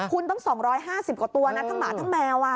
คุณต้อง๒๕๐กว่าตัวนะทั้งหมาทั้งแมว